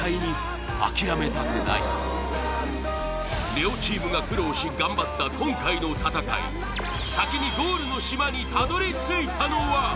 両チームが苦労し頑張った今回の戦い先にゴールの島にたどり着いたのは？